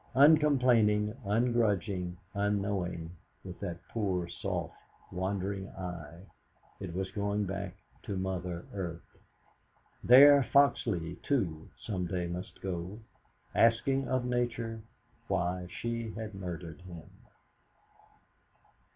Uncomplaining, ungrudging, unknowing, with that poor soft wandering eye, it was going back to Mother Earth. There Foxleigh, too, some day must go, asking of Nature why she had murdered him.